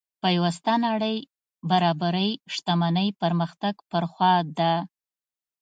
پیوسته نړۍ برابرۍ شتمنۍ پرمختګ پر خوا ده.